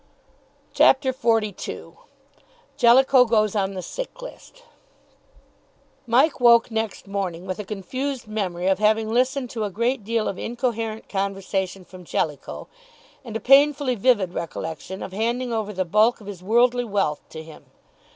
CHAPTER XLII JELLICOE GOES ON THE SICK LIST Mike woke next morning with a confused memory of having listened to a great deal of incoherent conversation from Jellicoe, and a painfully vivid recollection of handing over the bulk of his worldly wealth to him.